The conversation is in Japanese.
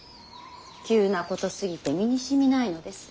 急なことすぎて身にしみないのです。